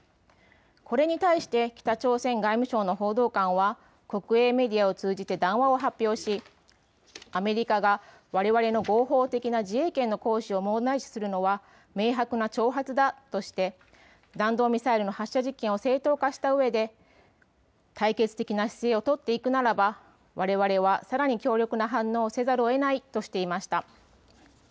これに対して北朝鮮外務省の報道官は国営メディアを通じて談話を発表し、アメリカがわれわれの合法的な自衛権の行使を問題視するのは明白な挑発だとして弾道ミサイルの発射実験を正当化したうえで対決的な姿勢を取っていくならばわれわれはさらに強力な反応をせざるをえないとしていました。